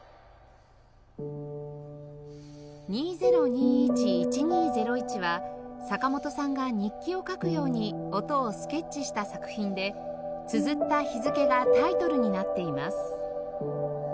『２０２１１２０１』は坂本さんが日記を書くように音をスケッチした作品でつづった日付がタイトルになっています